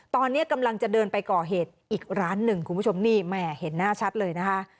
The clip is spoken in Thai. ตอนนี้กำลังจะเดินไปก่อเหตุอีกร้านหนึ่งคุณผู้ชมนี่แม่เห็นหน้าชัดเลยนะคะ